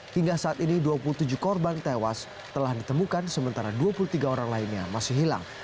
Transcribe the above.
hingga saat ini dua puluh tujuh korban tewas telah ditemukan sementara dua puluh tiga orang lainnya masih hilang